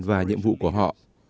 và nhiệm vụ của họ